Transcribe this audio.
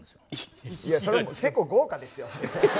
いやそれ結構豪華ですよ。